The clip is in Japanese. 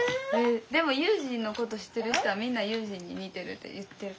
でも悠仁のこと知ってる人はみんな悠仁に似てるって言ってる。